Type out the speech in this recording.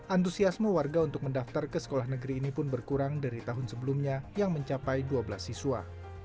antusiasme warga untuk mendaftar ke sekolah negeri ini pun berkurang dari tahun sebelumnya yang mencapai dua belas siswa